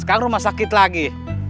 sekarang rumah sakit lagi